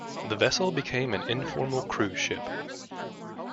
The vessel became an informal cruise ship.